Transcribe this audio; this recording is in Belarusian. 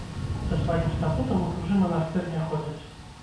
Са сваім статутам у чужы манастыр не ходзяць.